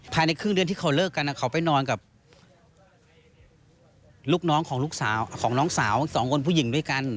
ภายในครึ่งเดือนที่เขาเลิกกันเขาไปนอนกับลูกน้องของลูกสาวของน้องสาวสองคนผู้หญิงด้วยกัน